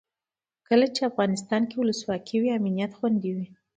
کله چې افغانستان کې ولسواکي وي امنیت خوندي وي.